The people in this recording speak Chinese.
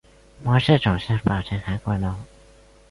模式种是宝城韩国龙。